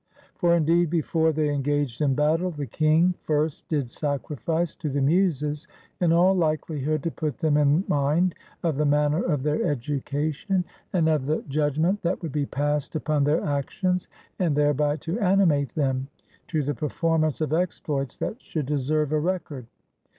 For, indeed, before they engaged in battle, the king first did sacrifice to the Muses, in all likelihood to put them in mind of the manner of their education, and of the judg ment that would be passed upon their actions, and there by to animate them to the performance of exploits that should deserve a record.